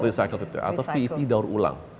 recycle atau pet daur ulang